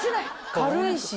軽いし。